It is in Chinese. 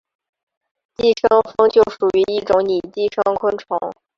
寄生蜂就属于一种拟寄生昆虫。